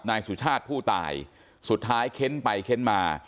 นายสุชาติผู้ตายสุดท้ายเค้นไปเค้นมา